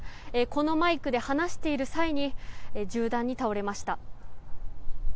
このマイクで話している際に銃弾に倒れました。